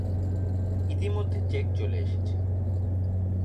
ইতিমধ্যে চেক চলে এসেছে।